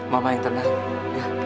mama yang tenang